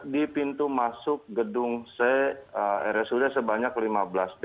di pintu masuk gedung c rsud sebanyak lima belas b